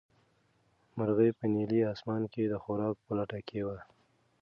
مرغۍ په نیلي اسمان کې د خوراک په لټه کې وه.